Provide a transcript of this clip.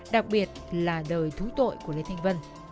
đặc biệt là đời thú tội của lê thanh vân